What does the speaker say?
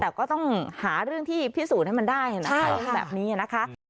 แต่ก็ต้องหาเรื่องที่พิสูจน์ให้มันได้นะคะเรื่องแบบนี้นะคะ